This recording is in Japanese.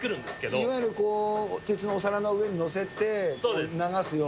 いわゆる鉄のお皿の上に載せて、流すような。